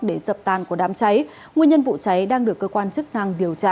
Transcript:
để dập tàn của đám cháy nguyên nhân vụ cháy đang được cơ quan chức năng điều tra